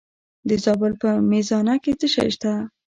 د زابل په میزانه کې څه شی شته؟